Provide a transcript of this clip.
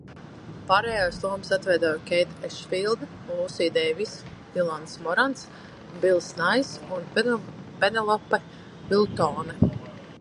Pārējās lomas atveido Keita Ešfīlda, Lūsija Deivisa, Dilans Morans, Bills Naijs un Penelope Viltone.